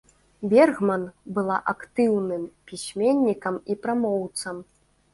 Бергман была актыўным пісьменнікам і прамоўцам.